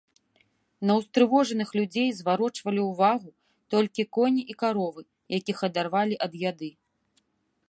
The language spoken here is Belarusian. На ўстрывожаных людзей зварочвалі ўвагу толькі коні і каровы, якіх адарвалі ад яды.